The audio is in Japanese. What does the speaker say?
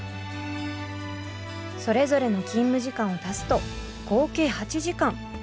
それぞれの勤務時間を足すと合計８時間。